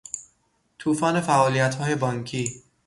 توفان فعالیتهای بانکی